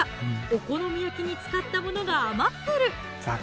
お好み焼きに使ったものが余ってる！